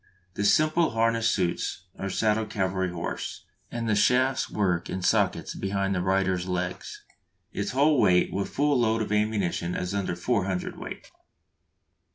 The simple harness suits any saddled cavalry horse, and the shafts work in sockets behind the rider's legs. Its whole weight with full load of ammunition is under four hundredweight.